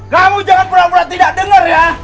kamu jangan pura pura tidak dengar ya